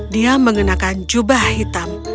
dia mengenakan jubah hitam